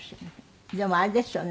でもあれですよね